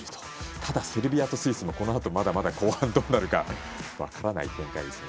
ただ、セルビアとスイスもこのあとまだまだ後半どうなるか分からない展開ですね。